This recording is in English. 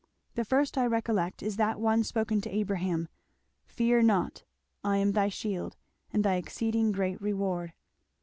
The first I recollect is that one spoken to Abraham, 'Fear not I am thy shield, and thy exceeding great reward.'"